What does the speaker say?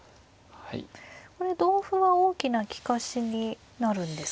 これ同歩は大きな利かしになるんですか。